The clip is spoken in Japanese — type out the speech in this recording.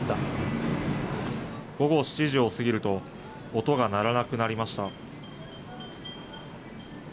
午後７時を過ぎると、音が鳴らなくなりました。